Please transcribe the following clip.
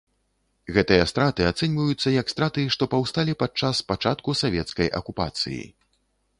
Гэтыя страты ацэньваюцца як страты, што паўсталі падчас пачатку савецкай акупацыі.